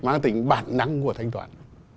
mang tính bản năng của thanh toán